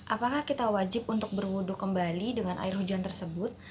apakah kita wajib untuk berwudhu kembali dengan air hujan tersebut